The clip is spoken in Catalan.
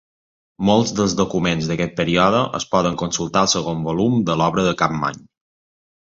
Molts dels documents d'aquest període es poden consultar al segon volum de l'obra de Capmany.